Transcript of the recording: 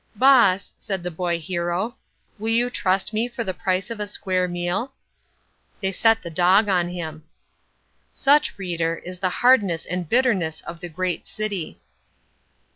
"Boss," said the boy hero, "will you trust me for the price of a square meal?" They set the dog on him. Such, reader, is the hardness and bitterness of the Great City.